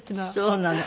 そうなの。